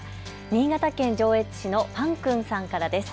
新潟県上越市のぱんくんさんからです。